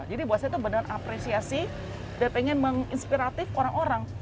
jadi buat saya tuh beneran apresiasi dan pengen menginspiratif orang orang